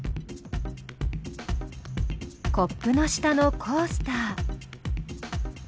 コップの下のコースター。